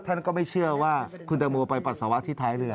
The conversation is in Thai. ท่านก็ไม่เชื่อว่าคุณตังโมไปปัสสาวะที่ท้ายเรือ